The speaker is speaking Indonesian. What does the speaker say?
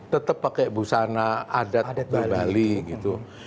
tetap pakai busana adat di bali gitu